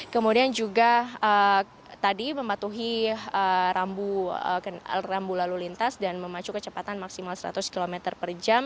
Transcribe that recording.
kemudian juga tadi mematuhi rambu lalu lintas dan memacu kecepatan maksimal seratus km per jam